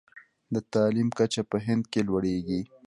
د تعلیم کچه په هند کې لوړیږي.